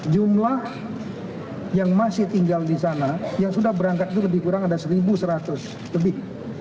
jumlah yang masih tinggal di sana yang sudah berangkat itu lebih kurang ada satu seratus lebih